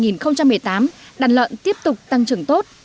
năm hai nghìn một mươi tám đàn lợn tiếp tục tăng trưởng tốt